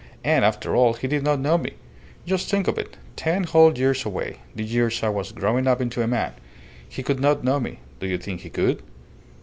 And, after all, he did not know me! Just think of it ten whole years away; the years I was growing up into a man. He could not know me. Do you think he could?"